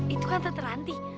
itu kan tante ranti